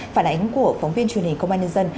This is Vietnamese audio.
phản ánh của phóng viên truyền hình công an nhân dân